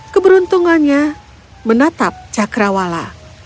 keberuntungannya menatap cakrawala